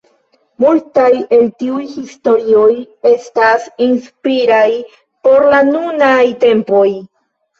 Multaj el tiuj historioj estas inspiraj por la nunaj tempoj.